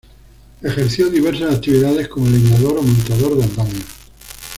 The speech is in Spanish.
Ejerció diversas actividades, como leñador o montador de andamios.